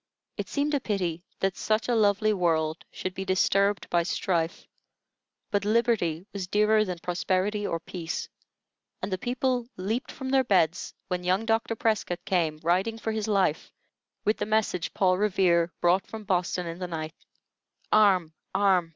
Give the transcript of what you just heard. It seemed a pity that such a lovely world should be disturbed by strife; but liberty was dearer than prosperity or peace, and the people leaped from their beds when young Dr. Prescott came, riding for his life, with the message Paul Revere brought from Boston in the night: "Arm! arm!